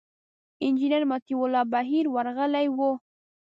انجینر مطیع الله بهیر ورغلي و.